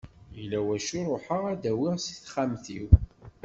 Yella wacu ruḥeɣ ad d-awiɣ seg texxamt-iw.